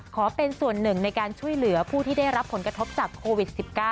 ขอเป็นส่วนหนึ่งในการช่วยเหลือผู้ที่ได้รับผลกระทบจากโควิด๑๙